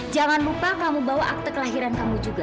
jangan lupa kamu bawa akte kelahiran kamu juga